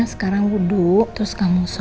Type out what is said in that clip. sekarang duduk terus kamu sholat ya no ya